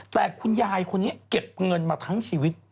แต่คุณยายคนนี้เก็บเงินมาทั้งชีวิต